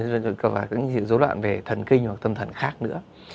và những dấu đoạn về thần kinh hoặc tâm thần khác nữa